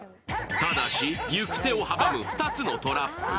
ただし、行く手を阻む２つのトラップ。